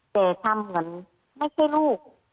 แต่ทำเหมือนไม่ใช่ลูก